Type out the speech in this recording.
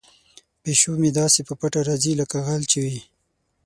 پیشو مې داسې په پټه راځي لکه غل چې وي.